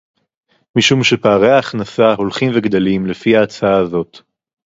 משום שפערי ההכנסה הולכים וגדלים לפי ההצעה הזאת